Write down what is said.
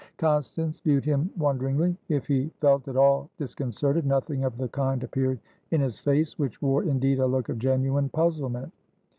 Constance viewed him wonderingly. If he felt at all disconcerted, nothing of the kind appeared in his face, which wore, indeed, a look of genuine puzzlement.